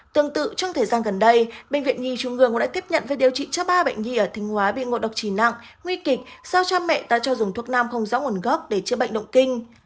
tương tự trong thời gian gần đây bệnh viện nhi trung ngường cũng đã tiếp nhận với điều trị cho ba bệnh nhi ở thành hóa bị ngộ độc trì nặng nguy kịch do cha mẹ ta cho dùng thuốc nam không gió nguồn gốc để chữa bệnh động kinh